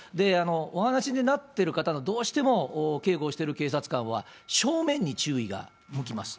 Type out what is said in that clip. お話になってる方の、どうしても警護をしてる警察官は、正面に注意が動きます。